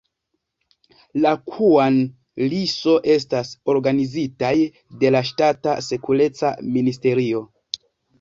La Kŭan-li-so, estas organizitaj de la ŝtata sekureca ministerio.